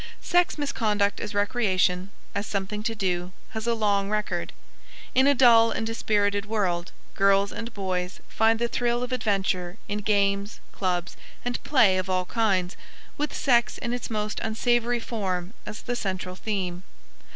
Sex misconduct as recreation, as something to do, has a long record. In a dull and dispirited world, girls and boys find the thrill of adventure in games, clubs, and play of all kinds, with sex in its most unsavory form as the central theme.